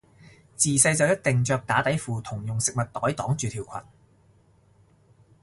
自細就一定着打底褲同用食物袋擋住條裙